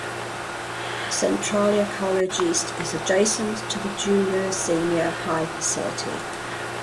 Centralia College East is adjacent to the Junior-Senior High facility.